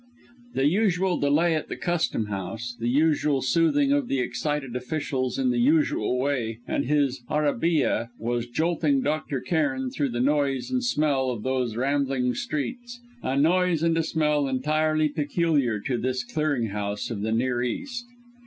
The usual delay at the Custom House, the usual soothing of the excited officials in the usual way, and his arabîyeh was jolting Dr. Cairn through the noise and the smell of those rambling streets, a noise and a smell entirely peculiar to this clearing house of the Near East.